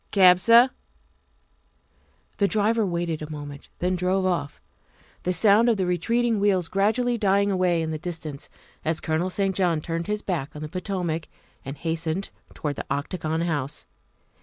" Cab, suh?" The driver waited a moment, then drove off, the sound of the retreating wheels gradually dying away in the distance as Colonel St. John turned his back on the Potomac and hastened towards the Octagon House.